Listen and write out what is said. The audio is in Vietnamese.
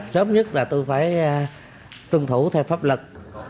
sớm nhất là tôi phải tuân thủ theo pháp lực